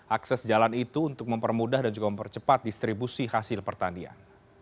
akses jalan itu untuk mempermudah dan juga mempercepat distribusi hasil pertanian